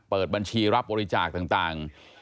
เปิดบัญชีรับบริจาคต่าง